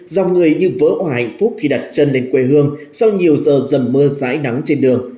do người như vỡ hoa hạnh phúc khi đặt chân lên quê hương sau nhiều giờ dần mưa rãi nắng trên đường